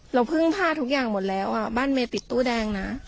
เราเพิ่งพลาดทุกอย่างหมดแล้วอ่ะบ้านเมตติดตู้แดงน่ะ